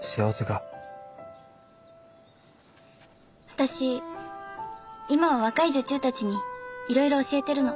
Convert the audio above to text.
私今は若い女中たちにいろいろ教えてるの。